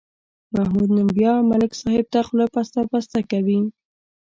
محمود نن بیا ملک صاحب ته خوله پسته پسته کوي.